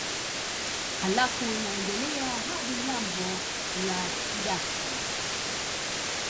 Halafu inaendelea hadi lambo la Kidatu